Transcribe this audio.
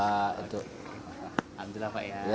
alhamdulillah pak ya